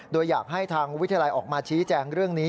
โดยอยากให้ทางวิทยาลัยออกมาชี้แจงเรื่องนี้